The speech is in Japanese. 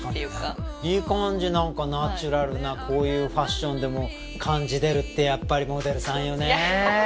確かにねいい感じ何かナチュラルなこういうファッションでも感じ出るってやっぱりモデルさんよね